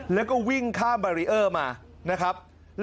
แล้วก็วิ่งข้ามบารีเออร์มานะครับ